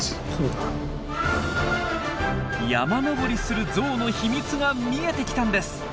山登りするゾウの秘密が見えてきたんです。